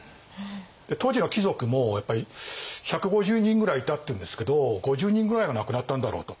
で当時の貴族もやっぱり１５０人ぐらいいたっていうんですけど５０人ぐらいが亡くなったんだろうと。